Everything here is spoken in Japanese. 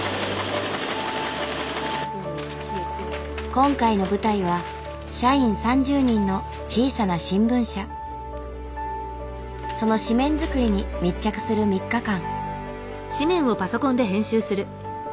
今回の舞台は社員３０人のその紙面作りに密着する３日間。